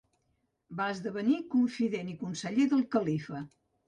Va esdevenir confident i conseller del califa.